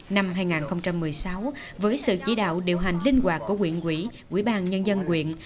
năm hai nghìn một mươi sáu với sự chỉ đạo điều hành linh hoạt của quyện quỹ quỹ ban nhân dân quyện